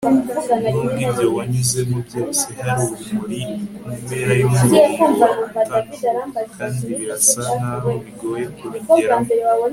nubwo ibyo wanyuzemo byose, hari urumuri kumpera yumurongo wa tunnel kandi birasa nkaho bigoye kubigeraho